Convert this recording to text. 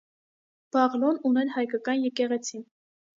Բաղլուն ուներ հայկական եկեղեցի։